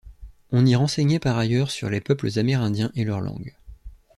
On y renseignait par ailleurs sur les peuples amérindiens et leurs langues.